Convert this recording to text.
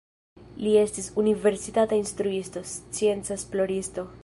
Li estis universitata instruisto, scienca esploristo.